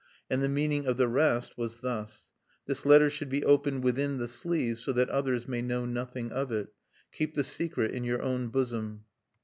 And the meaning of the rest was thus: "This letter should be opened within the sleeve, so that others may know nothing of it. Keep the secret in your own bosom.